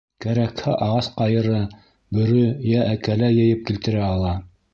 Кәрәкһә ағас ҡайыры, бөрө йә әкәлә йыйып килтерә ала.